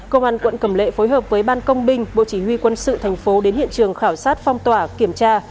công an quận cầm lệ phối hợp với ban công binh bộ chỉ huy quân sự thành phố đến hiện trường khảo sát phong tỏa kiểm tra